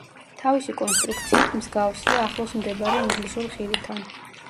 თავისი კონსტრუქციით მსგავსია ახლოს მდებარე ინგლისურ ხიდთან.